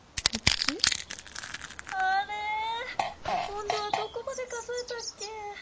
今どはどこまで数えたっけ？